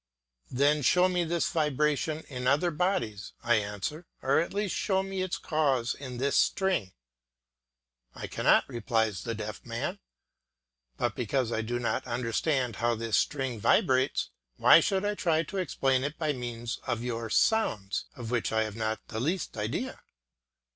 "Then show me this vibration in other bodies," I answer, "or at least show me its cause in this string." "I cannot," replies the deaf man; "but because I do not understand how that string vibrates why should I try to explain it by means of your sounds, of which I have not the least idea?